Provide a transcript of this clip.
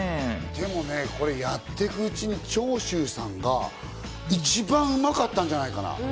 でもこれね、やっていくうちに長州さんが一番うまかったんじゃないかな。